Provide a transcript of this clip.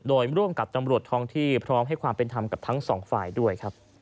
โดยร่วมกับตำรวจทองที่พร้อมให้ความเป็นธรรมกับทั้งสองฝ่ายด้วยครับ